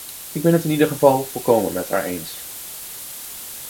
Ik ben het in ieder geval volkomen met haar eens.